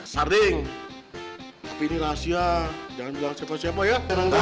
sarding tapi ini rahasia jangan bilang cewek cewek ya